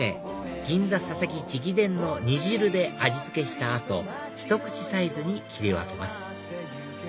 銀座佐々木直伝の煮汁で味付けした後ひと口サイズに切り分けます